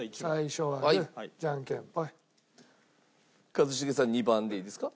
一茂さん２番でいいですか？